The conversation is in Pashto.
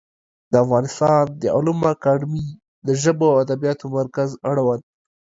د افغانستان د علومو اکاډمي د ژبو او ادبیاتو مرکز اړوند